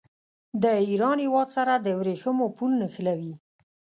د ایران هېواد سره د ورېښمو پل نښلوي.